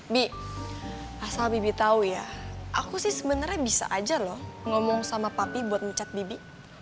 bi asal bibi tahu ya aku sih sebenarnya bisa aja loh ngomong sama papi buat mencat bibi